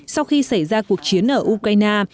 sau khi xảy ra cuộc chiến ở ukraine